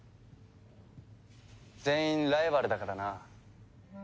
全員ライバルだからな。